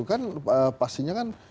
kan pastinya kan